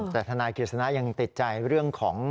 แต่ทนายกฤษณะยังติดใจเรื่องของ